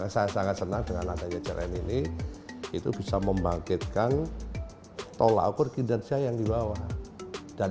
saya sangat senang dengan adanya crm ini itu bisa membangkitkan tolakur kinerja yang di bawah dan